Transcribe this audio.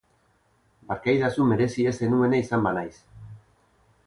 Barkaidazu merezi ez zenuena izan banaiz.